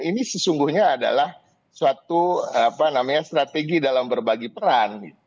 ini sesungguhnya adalah suatu strategi dalam berbagi peran